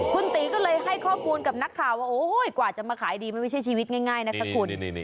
คุณตีก็เลยให้ข้อมูลกับนักข่าวว่ากว่าจะมาขายดีมันไม่ใช่ชีวิตง่ายนะคะคุณ